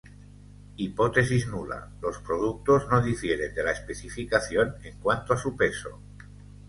Hipótesis nula: los productos no difieren de la especificación en cuanto a su peso.